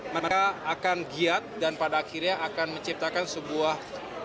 mereka akan giat dan pada akhirnya akan menciptakan sebuah